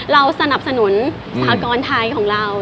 เราสนับสนุนสากรไทยของเรา